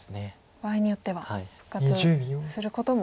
場合によっては復活することも。